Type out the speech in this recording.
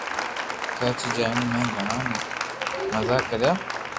ڪراچي جائين مي گِھڙا مزا ڪريا